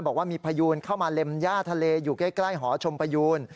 บอกว่ามีพยูนเข้ามาเล็มย่าทะเลอยู่ใกล้หอชมพยูน